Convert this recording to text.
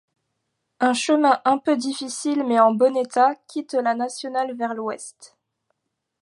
Un chemin un peu difficile mais en bon état quitte la nationale vers l'ouest.